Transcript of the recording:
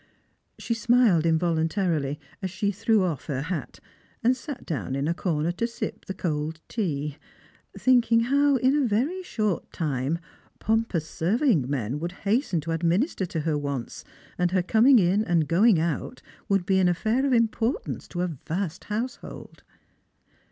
She smiled in voluntarily, as she threw off her hat, and sat down in a corner to sip the cold tea, thinking how, in a very short time, pompous Berving men would hasten to administer to her wants, and her coming in and going out would be an affair of importance to a vast household.